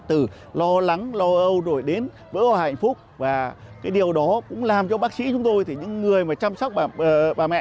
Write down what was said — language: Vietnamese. từ lo lắng lo âu rồi đến vỡ hoa hạnh phúc và cái điều đó cũng làm cho bác sĩ chúng tôi thì những người mà chăm sóc bà mẹ